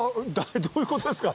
どういうことですか？